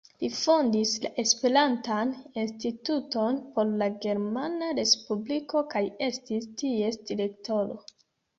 Li fondis la Esperantan Instituton por la Germana Respubliko kaj estis ties direktoro.